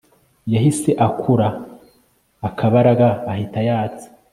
yahise akura akabaraga ahita yatsa